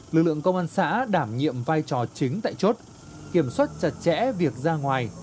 lực lượng công an xã đảm nhiệm vai trò chính tại chốt kiểm soát chặt chẽ việc ra ngoài